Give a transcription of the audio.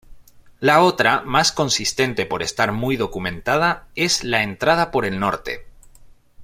La otra, más consistente por estar muy documentada, es la entrada por el norte.